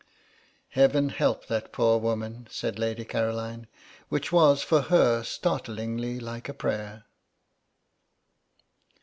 "Heaven help that poor woman," said Lady Caroline; which was, for her, startlingly like a prayer.